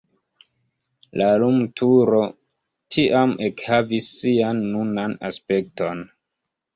La lumturo tiam ekhavis sian nunan aspekton.